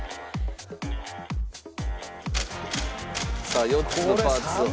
さあ４つのパーツを。